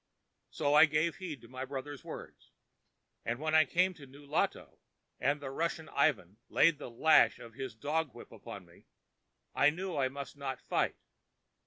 "So I gave heed to my brother's words; and when I was come to Nulato, and the Russian, Ivan, laid the lash of his dog whip upon me, I knew I must not fight.